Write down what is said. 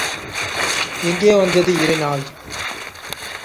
எங்கே வந்தது இரை நாய்?